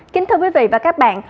kính thưa quý vị và các bạn